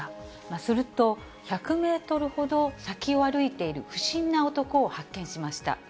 すると、１００メートルほど先を歩いている不審な男を発見しました。